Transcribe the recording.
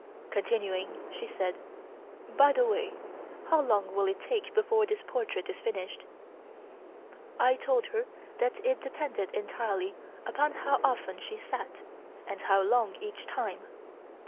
Continuing, she said: "By the way, how long will it take before this portrait is finished?" I told her that it depended entirely upon how often she sat, and how long each time.